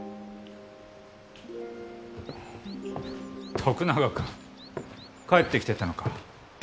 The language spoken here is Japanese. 徳永君帰ってきてたのか。